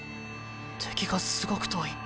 敵がすごく遠い。